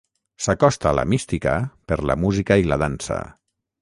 S'acosta a la mística per la música i la dansa.